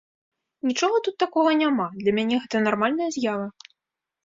Нічога тут такога няма, для мяне гэта нармальная з'ява.